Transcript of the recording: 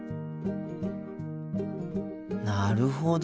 なるほど。